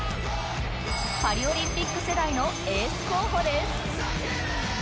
パリオリンピック世代のエース候補です